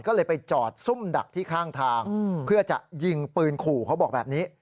ก็เลยไปจอดซุ่มดักที่ข้างทางเพื่อจะยิงปืนขู่เขาบอกแบบนี้